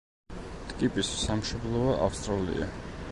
ტკიპის სამშობლოა ავსტრალია.